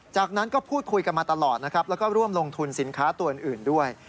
จากนั้นก็พูดคุยกันมาตลอดนะครับแล้วก็ร่วมลงทุนสินค้าตัวอื่นด้วย